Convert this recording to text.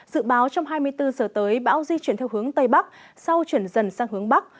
dự báo trong hai mươi bốn giờ tới bão di chuyển theo hướng tây bắc sau chuyển dần sang hướng bắc